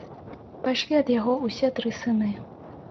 Пайшлі ад яго ўсе тры сыны.